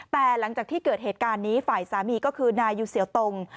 แต่หลังจากที่เกิดเหตุการณ์นี้ฝ่ายสามีก็คือนายยูเสียวตรง